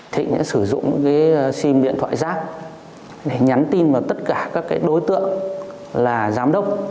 thịnh đã sử dụng cái sim điện thoại rác để nhắn tin vào tất cả các đối tượng là giám đốc